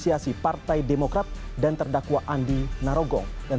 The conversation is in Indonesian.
ya itu tadi rekaman sidang mega korupsi yang hari ini